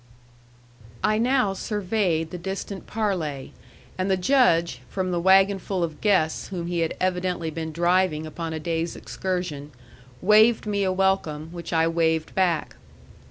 I now surveyed the distant parley, and the Judge, from the wagonful of guests whom he had evidently been driving upon a day's excursion, waved me a welcome, which I waved back.